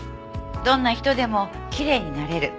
どんな人でもきれいになれる。